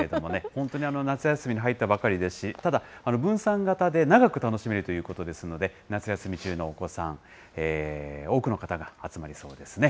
本当に、夏休みに入ったばかりですし、ただ、分散型で長く楽しめるということですので、夏休み中のお子さん、多くの方が集まりそうですね。